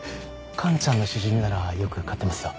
カンちゃんのシジミならよく買ってますよ。